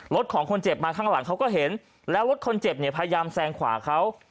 รถของคนเจ็บมาข้างหลังเขาก็เห็นแล้วรถคนเจ็บเนี่ยพยายามแซงขวาเขา